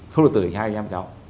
không được tự hình cho hai em cháu